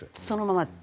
そのまま？